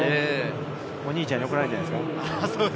お兄ちゃんに怒られるんじゃないですか？